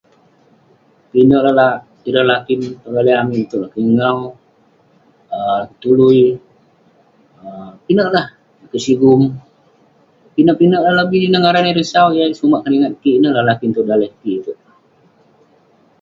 Pinek [unintelligible] ireh lakin tong daleh amik itouk ; lakeik Ngau, um Tului,[um] pinek lah lakeik Sigum. Pinek pinek lah lobih neh ngaran ireh sau yah sumak keningat kik ineh ireh lakin tong daleh kik itouk.